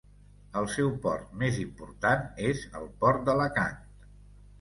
El seu port més important és el port d'Alacant.